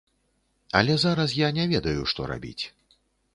Але зараз я не ведаю, што рабіць.